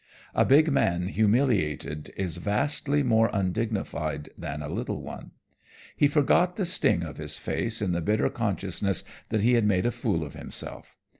A big man humiliated is vastly more undignified than a little one. He forgot the sting of his face in the bitter consciousness that he had made a fool of himself.